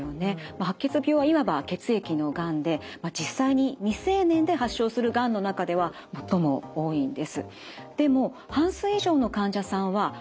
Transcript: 白血病はいわば血液のがんで実際に未成年で発症するがんの中では最も多いんです。